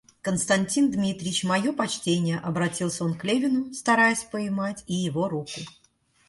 Константин Дмитрич, мое почтение, — обратился он к Левину, стараясь поймать и его руку.